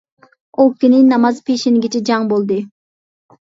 ئۇ كۈنى ناماز پېشىنگىچە جەڭ بولدى.